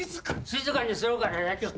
静かにするから大丈夫。